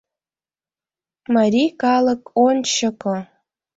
МАРИЙ КАЛЫК, ОНЧЫКО!